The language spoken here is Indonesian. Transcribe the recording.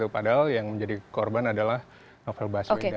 padahal yang menjadi korban adalah novel baswedan